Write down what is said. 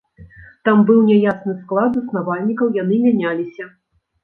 Там быў няясны склад заснавальнікаў, яны мяняліся.